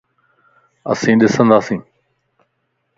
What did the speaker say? اسين ڏسنداسين